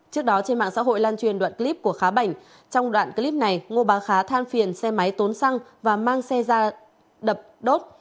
trước đó trên mạng xã hội lan truyền đoạn clip của khá bảnh trong đoạn clip này ngô bà khá than phiền xe máy tốn xăng và mang xe ra đập đốt